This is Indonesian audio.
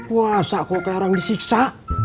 puasa kok ke orang disiksa